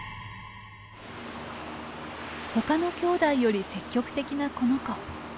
他のきょうだいより積極的なこの子。